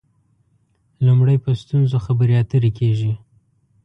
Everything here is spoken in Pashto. لومړی په ستونزو خبرې اترې کېږي.